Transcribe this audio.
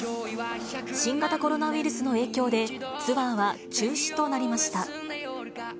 新型コロナウイルスの影響で、ツアーは中止となりました。